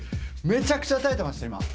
めちゃくちゃ耐えてましたよ、今。